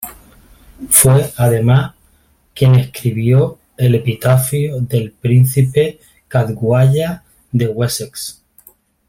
Fue, además, quien escribió el epitafio del príncipe Caedwalla de Wessex.